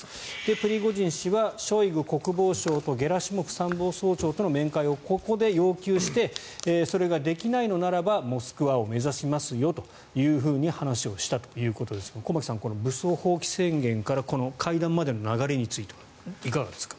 プリゴジン氏はショイグ国防相とゲラシモフ参謀総長との面会をここで要求してそれができないのならばモスクワを目指しますよという話をしたということですが駒木さん、武装蜂起宣言から会談までの流れについてはいかがですか。